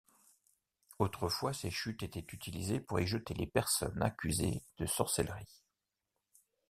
Autrefois, ces chutes étaient utilisées pour y jeter les personnes accusées de sorcellerie.